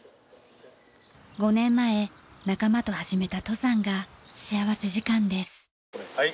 ５年前仲間と始めた登山が幸福時間です。